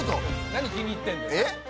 何気に入ってんだよ。